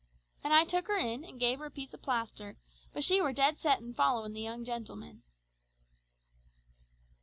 "An' I took her in, an' gave her a piece of plaster, but she were dead set on following the young gentleman."